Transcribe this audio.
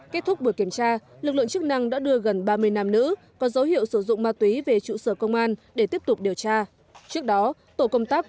kết thúc buổi kiểm tra lực lượng chức năng đã đưa gần ba mươi nam nữ có dấu hiệu sử dụng ma túy về trụ sở công an để tiếp tục điều tra